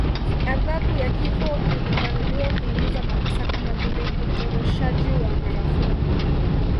Adhabu ya kifo ilipanuliwa kuingiza makosa kama vile utoroshaji wa karafuu